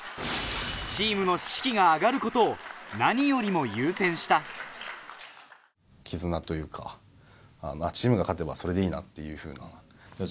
チームの士気が上がることを何よりも優先した絆というかチームが勝てばそれでいいなっていうふうな。